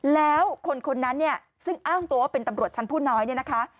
แล้วคนคนนั้นเนี่ยซึ่งอ้างตัวว่าเป็นตำรวจชั้นผู้น้อยเนี่ยนะคะ